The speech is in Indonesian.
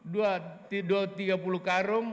dua tidul tiga puluh karung